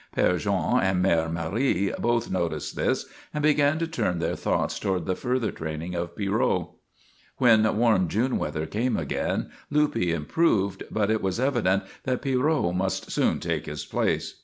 Père Jean and Mère Marie both noticed this and began to turn their thoughts toward the further training of Pierrot. When warm June weather came again, Luppe improved, but it was evident that Pierrot must soon take his place.